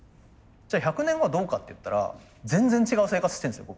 じゃあ１００年後はどうかっていったら全然違う生活してるんですよ